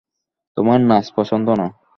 তোমার নাচ পছন্দ না?